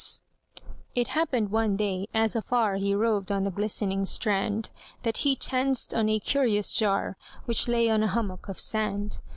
It happened one day, as afar He roved on the glistening strand, That he chanced on a curious jar, Which lay on a hummock of sand.